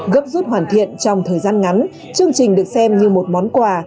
gấp rút hoàn thiện trong thời gian ngắn chương trình được xem như một món quà